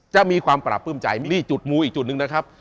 จะมีความปราบปลื้มใจมิดจุดมูอีกจุดหนึ่งนะครับ